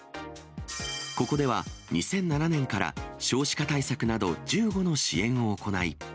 ここでは２００７年から少子化対策など１５の支援を行い。